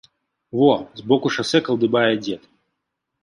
Во, збоку шасэ калдыбае дзед.